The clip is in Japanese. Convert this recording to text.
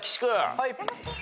はい。